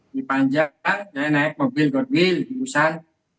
lui panjang kan saya naik mobil godwill di busan